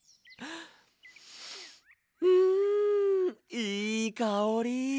うんいいかおり！